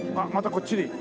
こっちに。